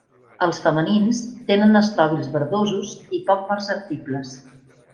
Els femenins tenen estròbils verdosos i poc perceptibles.